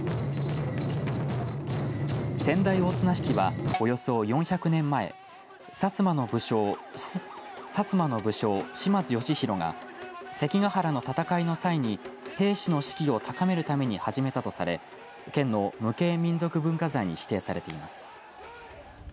川内大綱引は、およそ４００年前薩摩の武将島津義弘が関ヶ原の戦いの際に兵士の士気を高めるために始めたとされ県の無形民俗文化財に指定されています。